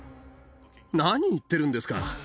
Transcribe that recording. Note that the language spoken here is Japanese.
何言ってるんですか。